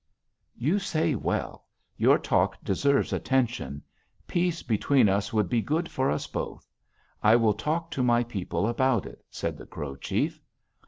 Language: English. "'You say well. Your talk deserves attention. Peace between us would be good for us both. I will talk to my people about it,' said the Crow chief.